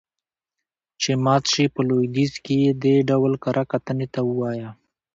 چې مات شي. په لويديځ کې يې دې ډول کره کتنې ته ووايه.